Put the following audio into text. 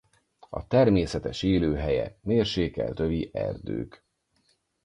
A természetes élőhelye mérsékelt övi erdők.